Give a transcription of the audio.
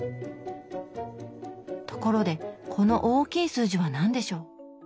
ところでこの大きい数字は何でしょう？